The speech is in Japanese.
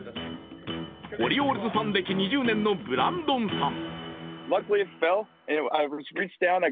オリオールズファン歴２０年のブランドンさん。